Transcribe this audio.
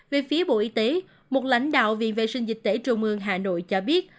về phía bộ y tế một lãnh đạo viện vệ sinh dịch tễ trung ương hà nội cho biết